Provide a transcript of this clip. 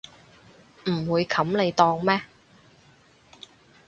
唔會冚你檔咩